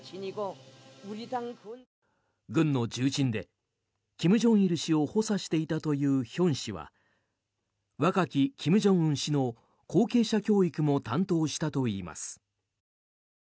軍の重鎮で、金正日氏を補佐していたというヒョン氏は若き金正恩氏の後継者教育も担当したといいます。